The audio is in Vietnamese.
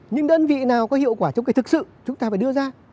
những đơn vị nào có hiệu quả trồng cây thực sự chúng ta phải đưa ra